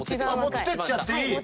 持ってっちゃっていい。